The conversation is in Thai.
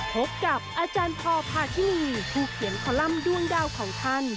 พบกับอาจารย์พอพาทินีผู้เขียนคอลัมป์ด้วงดาวของท่าน